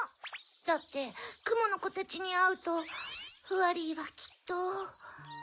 だってくものコたちにあうとフワリーはきっと。